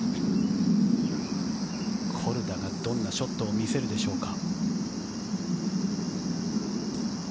コルダがどんなショットを見せるでしょうか。